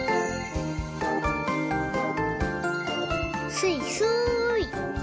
すいすい。